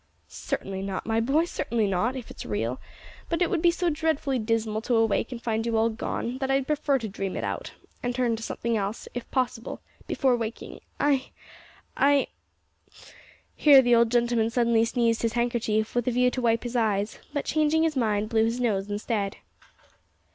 "Certainly not, my boy, certainly not, if it's real; but it would be so dreadfully dismal to awake and find you all gone, that I'd prefer to dream it out, and turn to something else, if possible, before waking. I I " Here the old gentleman suddenly seized his handkerchief, with a view to wipe his eyes, but, changing his mind, blew his nose instead.